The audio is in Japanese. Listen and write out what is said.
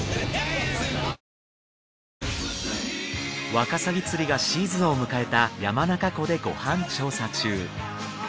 ワカサギ釣りがシーズンを迎えた山中湖でご飯調査中。